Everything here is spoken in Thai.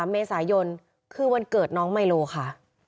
เมษายนคือวันเกิดน้องไมโลค่ะ